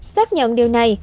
xác nhận điều này